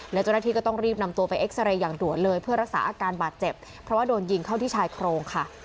แล้วเจ้าหน้าที่ก็ต้องรีบนำตัวไปเอ็กซาเรย์อย่างด่วนเลยเพื่อรักษาอาการบาดเจ็บเพราะว่าโดนยิงเข้าที่ชายโครงค่ะ